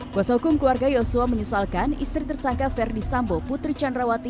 kuasa hukum keluarga yosua menyesalkan istri tersangka ferdi sambo putri candrawati